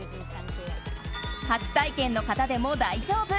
初体験の方でも大丈夫。